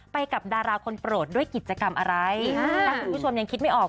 ไปกับดาราคนโปรดด้วยกิจกรรมอะไรถ้าคุณผู้ชมยังคิดไม่ออก